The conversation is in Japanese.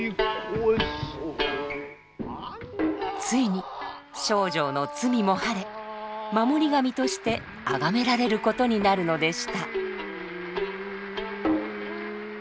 ついに丞相の罪も晴れ守り神として崇められることになるのでした。